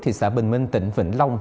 thị xã bình minh tỉnh vĩnh long